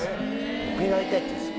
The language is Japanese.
僕になりたいって言うんですよ。